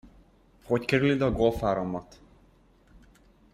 Hogy kerül ide a Golf-áramlat?